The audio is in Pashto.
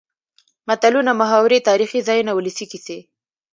متلونه ،محاورې تاريخي ځايونه ،ولسي کسې.